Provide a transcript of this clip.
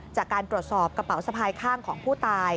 จากการตรวจสอบกระเป๋าสะพายข้างของผู้ตาย